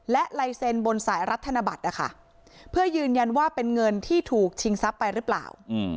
และลายเซ็นบนสายรัฐธนบัตรนะคะเพื่อยืนยันว่าเป็นเงินที่ถูกชิงทรัพย์ไปหรือเปล่า